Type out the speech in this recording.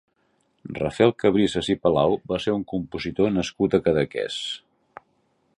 Rafael Cabrisas i Palau va ser un compositor nascut a Cadaqués.